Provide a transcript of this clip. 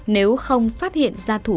nếu không phát hiện ra thủ phạm